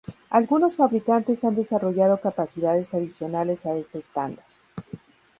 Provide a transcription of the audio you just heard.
Algunos fabricantes han desarrollado capacidades adicionales a este estándar.